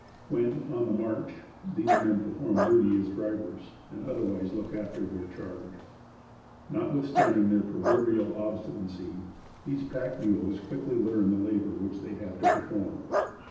When on the march, these men perform duty as drivers, and otherwise look after their charge. Notwithstanding their proverbial obstinacy, these pack mules quickly learn the labor which they have to perform.